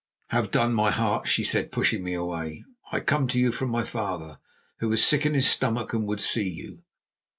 "Have done, my heart," she said, pushing me away. "I come to you from my father, who is sick in his stomach and would see you."